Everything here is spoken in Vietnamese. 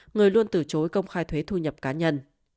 người luôn từ chối công khai thuế thu nhập cá nhân